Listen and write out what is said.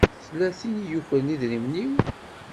Tella tin i yukren idrimen-iw.